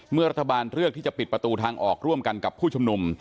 รัฐบาลเลือกที่จะปิดประตูทางออกร่วมกันกับผู้ชุมนุม